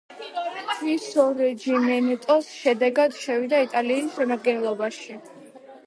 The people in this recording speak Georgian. რისორჯიმენტოს შედეგად შევიდა იტალიის შემადგენლობაში.